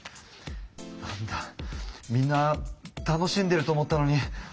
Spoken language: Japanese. なんだみんな楽しんでると思ったのに。